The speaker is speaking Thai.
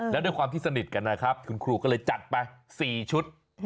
แล้วด้วยความที่สนิทกันนะครับคุณครูก็เลยจัดไป๔ชุด